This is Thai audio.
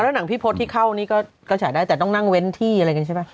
หนังพี่พศที่เข้านี่ก็ฉายได้แต่ต้องนั่งเว้นที่อะไรกันใช่ไหม